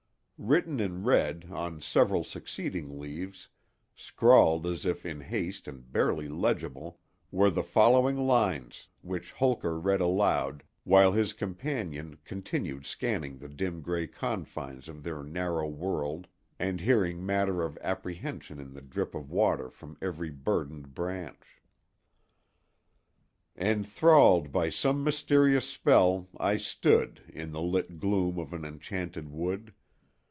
Written in red on several succeeding leaves—scrawled as if in haste and barely legible—were the following lines, which Holker read aloud, while his companion continued scanning the dim gray confines of their narrow world and hearing matter of apprehension in the drip of water from every burdened branch: "Enthralled by some mysterious spell, I stood In the lit gloom of an enchanted wood.